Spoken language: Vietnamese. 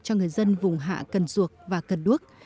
cho người dân vùng hạ cần ruộc và cần nước